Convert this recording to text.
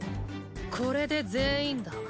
これで全員だ。